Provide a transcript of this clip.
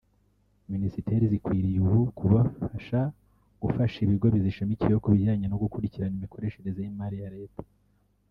“Minisiteri zikwiriye ubu kubasha gufasha ibigo bizishamikiyeho ku bijyanye no gukurikirana imikoreshereze y’imari ya leta”